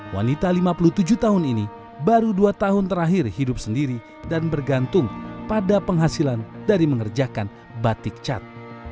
wanita lima puluh tujuh tahun ini baru dua tahun terakhir hidup sendiri dan bergantung pada penghasilan dari mengerjakan batik cat